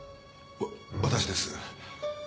私です。